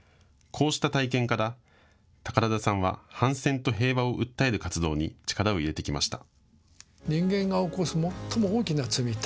こうした体験から宝田さんは反戦と平和を訴える活動に力を入れてきました。